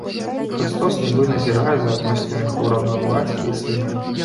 Хрыстос нібы назірае за адносінамі хворага бацькі і сына.